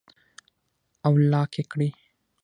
او لاک ئې کړي